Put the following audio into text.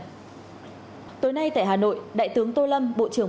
tối nay tại hà nội đại tướng tô lâm bộ trưởng bộ công an tiếp bộ trưởng bộ nội vụ liên bang nga